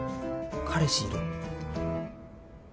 彼氏いる？